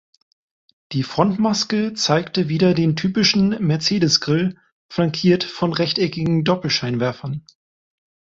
Die Frontmaske zeigte wieder den typischen „Mercedes-Grill“, flankiert von rechteckigen Doppelscheinwerfern.